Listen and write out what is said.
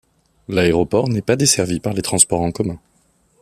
L'aéroport n'est pas desservi par les transports en commun.